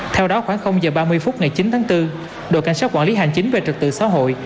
theo đó khoảng giờ ba mươi phút ngày chín tháng bốn đội cảnh sát quản lý hành chính về trật tự xã hội